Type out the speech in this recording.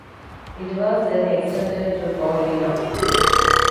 It was then extended to Paulina.